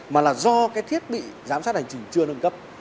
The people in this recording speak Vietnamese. mà là do cái thiết bị giám sát hành trình chưa nâng cấp